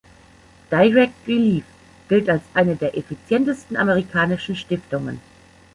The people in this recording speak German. Direct Relief gilt als eine der effizientesten amerikanischen Stiftungen.